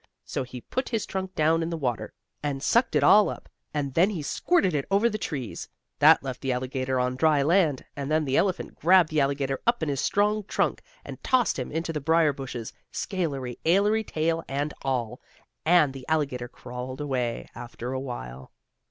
So he put his trunk down in the water, and sucked it all up, and then he squirted it over the trees. That left the alligator on dry land, and then the elephant grabbed the alligator up in his strong trunk, and tossed him into the briar bushes, scalery ailery tail and all, and the alligator crawled away after a while.